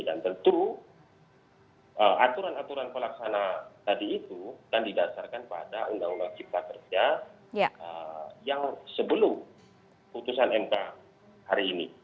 dan tentu aturan aturan pelaksanaan tadi itu akan didasarkan pada undang undang cipta kerja yang sebelum putusan mk hari ini